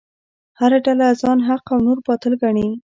هره ډله ځان حق او نور باطل ګڼي.